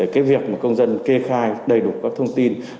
để việc công dân kê khai đầy đủ các thông tin